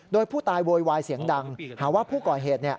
โดยผู้ตายโวยวายเสียงดังหาว่าผู้ก่อเหตุ